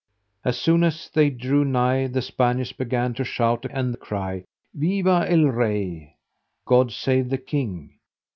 As soon as they drew nigh, the Spaniards began to shout and cry, "Viva el rey!" "God save the king!"